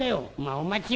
「お待ちよ。